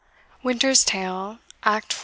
WINTER'S TALE, ACT IV.